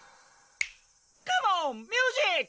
カモンミュージック！